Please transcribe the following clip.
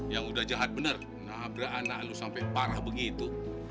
yang udah jahat benar nabrak anak lu sampai parah begitu